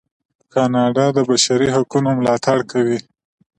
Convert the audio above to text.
کاناډا د بشري حقونو ملاتړ کوي.